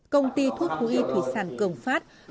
công ty thuốc thú y thủy sản cường phát